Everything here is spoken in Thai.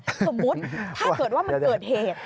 สมมุติถ้าเกิดว่ามันเกิดเหตุ